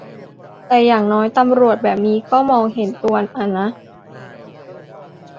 แต่อย่างน้อยตำรวจแบบนี้ก็มองเห็นตัวอ่ะนะ